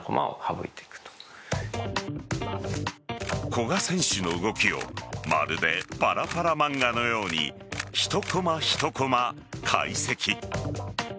古賀選手の動きをまるでパラパラ漫画のように１コマ１コマ解析。